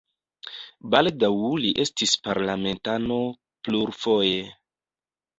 Baldaŭ li estis parlamentano plurfoje.